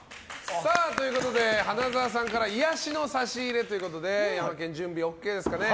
花澤さんから癒やしの差し入れということでヤマケン、準備ＯＫですかね。